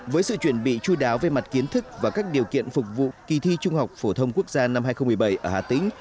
với sự chuẩn bị chú đáo về mặt kiến thức và các điều kiện phục vụ kỳ thi trung học phổ thông quốc gia năm hai nghìn một mươi bảy ở hà tĩnh